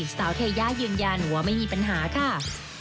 สาวเทย่ายืนยันว่าไม่มีปัญหาค่ะ